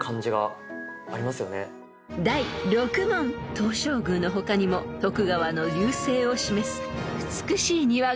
［東照宮の他にも徳川の隆盛を示す美しい庭が］